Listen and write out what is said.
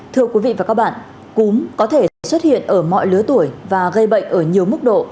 thưa quý vị và các bạn cúm có thể xuất hiện ở mọi lứa tuổi và gây bệnh ở nhiều mức độ